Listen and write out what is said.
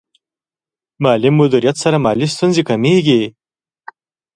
مالي مدیریت سره مالي ستونزې کمېږي.